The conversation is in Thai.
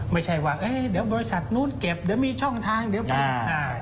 ไม่ใช่ว่าเดี๋ยวบริษัทนู้นเก็บเดี๋ยวมีช่องทางเดี๋ยวเปลี่ยน